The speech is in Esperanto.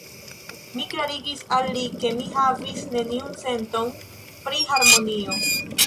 Mi klarigis al li, ke mi havis neniun senton pri harmonio.